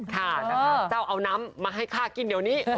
ค่ะนะคะเจ้าเอาน้ำมาให้ค่ากินเดี๋ยวนี้